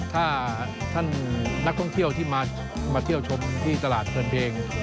ถ้าท่านนักท่องเที่ยวที่มาเที่ยวชมที่ตลาดเพลินเพลง